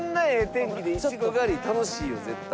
天気でいちご狩り楽しいよ絶対。